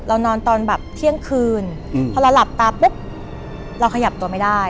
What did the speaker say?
นอนตอนแบบเที่ยงคืนพอเราหลับตาปุ๊บเราขยับตัวไม่ได้